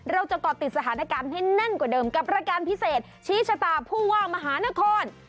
ก่อติดสถานการณ์ให้แน่นกว่าเดิมกับรายการพิเศษชี้ชะตาผู้ว่ามหานคร